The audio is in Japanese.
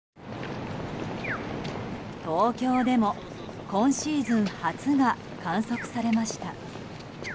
東京でも今シーズン初が観測されました。